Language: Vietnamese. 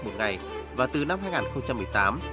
một ngày và từ năm hai nghìn một mươi tám